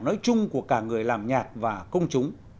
nói chung của cả người làm nhạc và công chúng